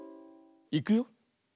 いくよ。